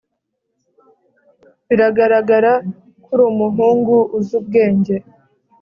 Biragaragara ko uri umuhungu uzi ubwenge